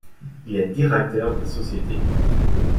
Il est directeur de sociétés.